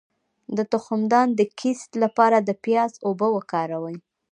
د تخمدان د کیست لپاره د پیاز اوبه وکاروئ